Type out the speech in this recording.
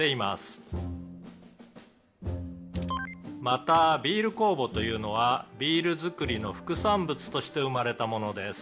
「またビール酵母というのはビールづくりの副産物として生まれたものです」